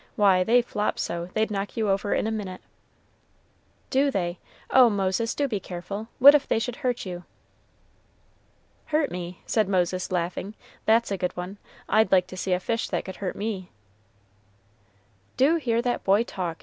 "Why, they flop so, they'd knock you over in a minute." "Do they? Oh, Moses, do be careful. What if they should hurt you?" "Hurt me!" said Moses, laughing; "that's a good one. I'd like to see a fish that could hurt me." "Do hear that boy talk!"